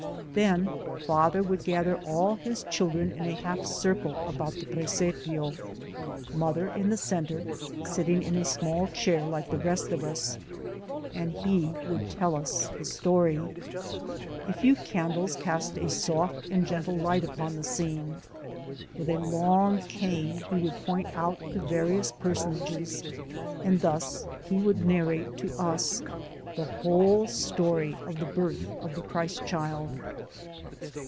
Then father would gather all his children in a half circle about the Prcsepio, mother in the center sit ting in a small chair like the rest of us, and he would tell us the Story. A few candles cast a soft and gentle light upon the scene. With a long cane he would point to the various personages, and thus he would narrate to us the whole story of the birth of the Christ Child.